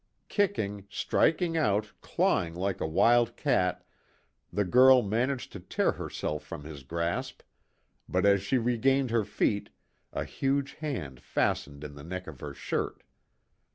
Kicking, striking out, clawing like a wild cat, the girl managed to tear herself from his grasp, but as she regained her feet, a huge hand fastened in the neck of her shirt.